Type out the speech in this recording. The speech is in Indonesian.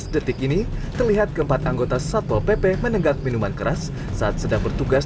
detik ini terlihat keempat anggota satpol pp menenggak minuman keras saat sedang bertugas